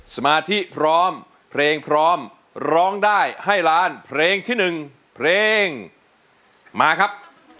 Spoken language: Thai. สมาธิพร้อมเพลงพร้อมร้องได้ให้ล้านเพลงที่๑เพลงมาครับ